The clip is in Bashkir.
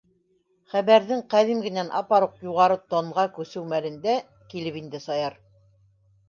Хәбәрҙең ҡәҙимгенән апаруҡ юғары тонға күсеү мәлендә килеп инде Саяр: